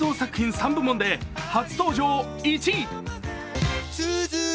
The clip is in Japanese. ３部門で初登場１位。